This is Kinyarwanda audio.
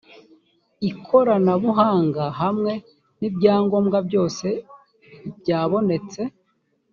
ikoranabuhanga hamwe n’ibyangombwa byose byabonetse